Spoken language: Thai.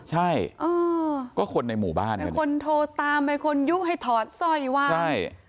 ใช่อ่าก็คนในหมู่บ้านคนโทรตามคนยุ่งให้ถอดซอยวางใช่